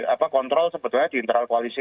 apa kontrol sebetulnya di internal koalisi